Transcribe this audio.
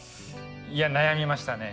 いや悩みましたね。